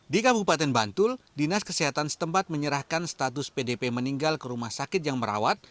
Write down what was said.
di kabupaten bantul dinas kesehatan setempat menyerahkan status pdp meninggal ke rumah sakit yang merawat